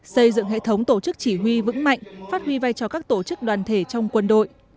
xây dựng hệ thống tổ chức chỉ huy vững mạnh phát huy vai trò các tổ chức đoàn thể trong quân đội